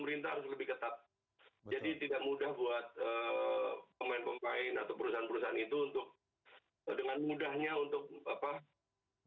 jadi tidak mudah buat pemain pemain atau perusahaan perusahaan itu untuk